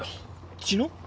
茅野？